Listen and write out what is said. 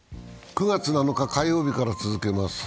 ９月７日火曜日から続けます。